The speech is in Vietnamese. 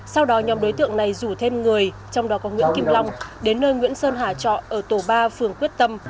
sau đó nhóm đối tượng này rủ thêm người trong đó có nguyễn kim long đến nơi nguyễn sơn hà trọ ở tổ ba phường quyết tâm